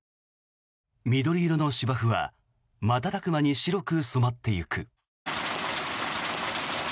緑色の芝生は瞬く間に白く染まっていく。